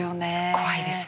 怖いですね。